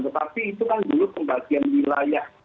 tetapi itu kan dulu pembagian wilayah